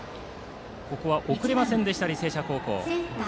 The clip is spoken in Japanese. ここは送れませんでした履正社高校。